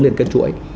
liên kết chuỗi